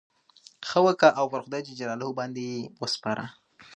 ښه وکه! او پر خدای جل جلاله باندي ئې وسپاره.